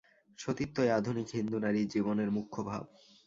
সতীত্বই আধুনিক হিন্দু নারীর জীবনের মুখ্য ভাব।